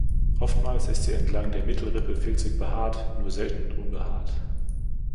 Oftmals ist sie entlang der Mittelrippe filzig behaart, nur selten unbehaart.